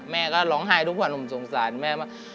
แม่ก็ร้องไห้ทุกวันผมสงสารแม่มาก